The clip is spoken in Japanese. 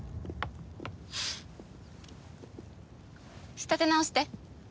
仕立て直して。